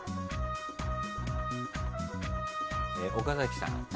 岡崎さん。